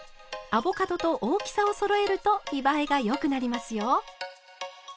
アボカドと大きさをそろえると見栄えがよくなりますよ。